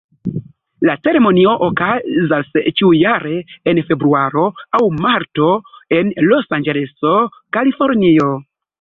La ceremonio okazas ĉiujare en februaro aŭ marto, en Losanĝeleso, Kalifornio.